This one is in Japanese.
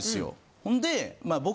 ほんで。